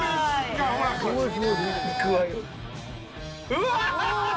うわ！